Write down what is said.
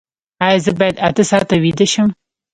ایا زه باید اته ساعته ویده شم؟